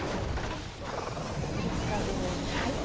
では作り方です。